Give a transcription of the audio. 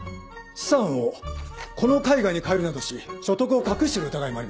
資産をこの絵画に換えるなどし所得を隠してる疑いもあります。